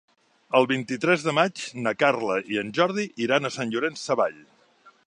El vint-i-tres de maig na Carla i en Jordi iran a Sant Llorenç Savall.